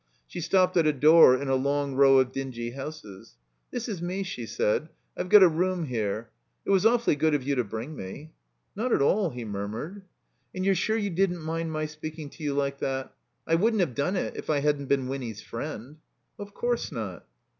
She stopped at a door in a long row of dingy houses. "This is me," she said, "I've got a room here. It was awfully good of you to bring me." 76 THE COMBINED MAZE Not at all," he murmured. "And you're sure you didn't mind my speaking to you like that? I wouldn't have done it if I hadn't been Winny's friend." "Of course not."